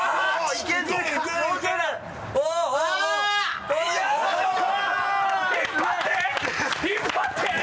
引っ張って！